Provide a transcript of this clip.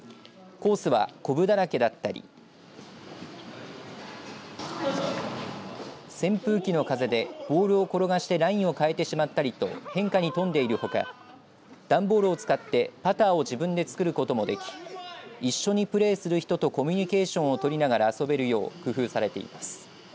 コースは、こぶだらけだったり扇風機の風でボールを転がしてラインを変えてしまったりと変化に富んでいるほか段ボールを使ってパターを自分で作ることもでき一緒にプレーする人とコミュニケーションをとりながら遊べるよう工夫されています。